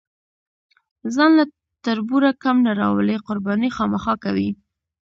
ځان له تربوره کم نه راولي، قرباني خامخا کوي.